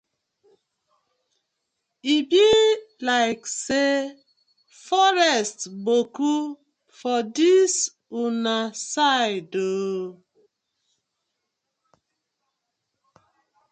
E bi layk say forest boku for dis una side oo?